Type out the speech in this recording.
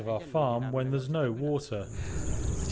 ketika tidak ada air